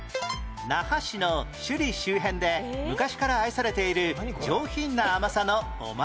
那覇市の首里周辺で昔から愛されている上品な甘さのおまんじゅう